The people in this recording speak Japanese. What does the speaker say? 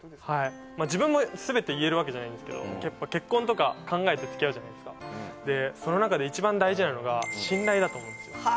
まあ自分も全て言えるわけじゃないんですけどやっぱ結婚とか考えて付き合うじゃないですかでその中で一番大事なのが信頼だと思うんですよは